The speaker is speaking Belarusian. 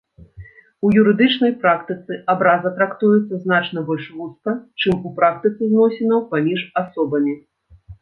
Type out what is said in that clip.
У юрыдычнай практыцы абраза трактуецца значна больш вузка, чым у практыцы зносінаў паміж асобамі.